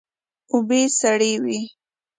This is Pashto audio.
اوبه سړې وې.